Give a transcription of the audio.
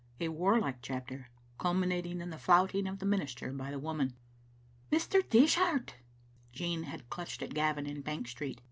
A WARLIKE CHAPTER, CULMINATING IN THE FLOUTING OP THE MINISTER BY THE WOMAN. "Mr. Dishart!" Jean had clutched at Gavin in Bank Street.